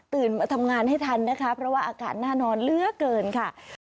มาทำงานให้ทันนะคะเพราะว่าอากาศน่านอนเหลือเกินค่ะ